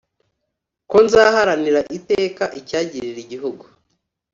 ko nzaharanira iteka icyagirira igihugu